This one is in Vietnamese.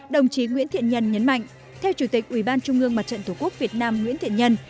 đồng chí nguyễn thiện nhân nhấn mạnh theo chủ tịch ủy ban trung ương mặt trận tổ quốc việt nam nguyễn thiện nhân